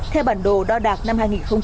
theo bản đồ đo đạc năm hai nghìn một mươi chín